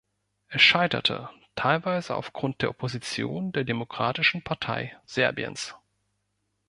Es scheiterte, teilweise aufgrund der Opposition der Demokratischen Partei Serbiens.